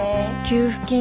給付金